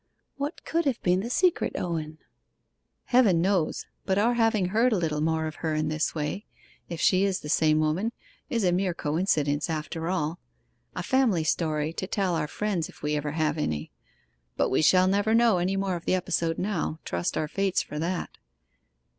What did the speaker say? What could have been the secret, Owen?' 'Heaven knows. But our having heard a little more of her in this way (if she is the same woman) is a mere coincidence after all a family story to tell our friends if we ever have any. But we shall never know any more of the episode now trust our fates for that.